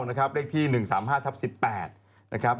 ที่แกน้อที่๑๓๕ทรัพย์๑๘บานชาว